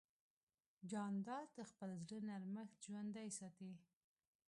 جانداد د خپل زړه نرمښت ژوندی ساتي.